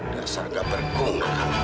darsar gak berguna